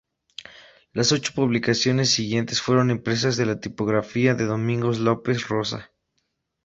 Las ocho publicaciones siguientes fueron impresas en la tipografía de Domingos Lopes Rosa.